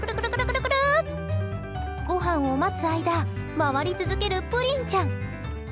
ごはんを待つ間回り続けるプリンちゃん。